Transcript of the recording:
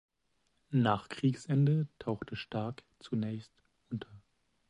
Nach Kriegsende tauchte Stark zunächst unter.